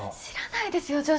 知らないですよ